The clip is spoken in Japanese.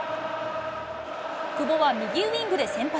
久保は右ウイングで先発。